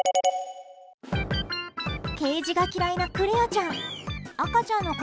ケージが嫌いなクレアちゃん。